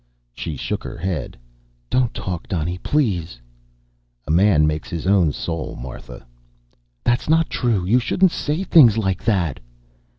She shook her head. "Don't talk, Donny, please." "A man makes his own soul, Martha." "That's not true. You shouldn't say things like that."